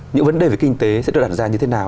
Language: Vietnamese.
những vấn đề về kinh tế sẽ được đặt ra như thế nào